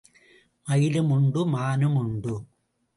மயிலும் உண்டு, மானும் உண்டு.